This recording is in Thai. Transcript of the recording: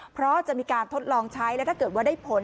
เพราะจะมีการทดลองใช้และถ้าเกิดว่าได้ผล